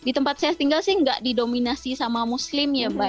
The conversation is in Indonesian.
iya di tempat saya tinggal sih enggak didominasi sama muslim ya mbak ya